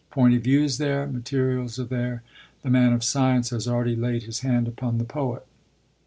Point of view is there; materials are there; the man of science has already laid his hand upon the poet.